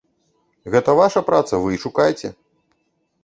Гэта ваша праца, вы і шукайце!